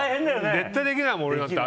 絶対できないもん、俺。